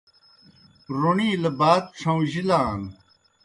روݨِیلہ بات ڇھہُوݩجِلان۔